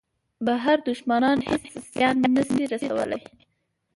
بهر دوښمنان هېڅ زیان نه شي رسولای.